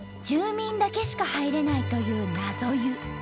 住民だけしか入れないというなぞ湯。